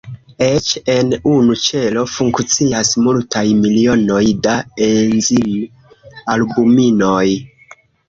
Eĉ en unu ĉelo funkcias multaj milionoj da enzim-albuminoj.